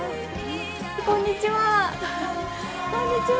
こんにちは。